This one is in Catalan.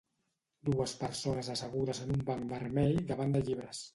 Dues persones assegudes en un banc vermell davant de llibres.